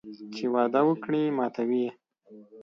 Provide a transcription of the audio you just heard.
چې وعده وکړي ماتوي یې